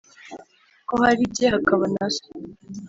ko hari jye hakaba na so,